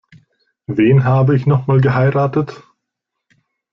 Wen habe ich noch mal geheiratet?